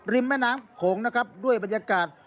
แม่น้ำโขงนะครับด้วยบรรยากาศ